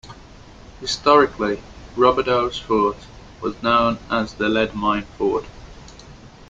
Historically, Roberdeau's fort was known as the "Lead Mine Fort".